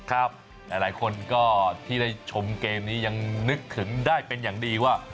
หลายคนก็ที่ได้ชมเกมนี้ยังนึกถึงได้เป็นอย่างดีว่า